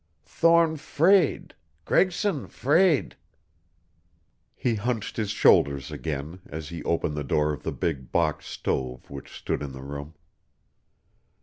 Thorne 'fraid Gregson 'fraid " He hunched his shoulders again as he opened the door of the big box stove which stood in the room.